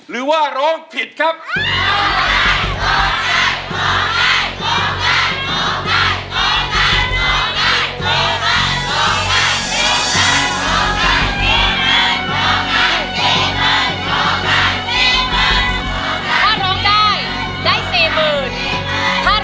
นึกแล้วหมุนนึก